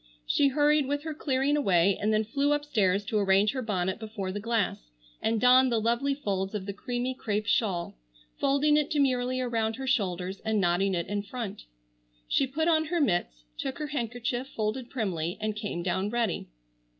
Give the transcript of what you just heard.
She hurried with her clearing away, and then flew upstairs to arrange her bonnet before the glass and don the lovely folds of the creamy crêpe shawl, folding it demurely around her shoulders and knotting it in front. She put on her mitts, took her handkerchief folded primly, and came down ready.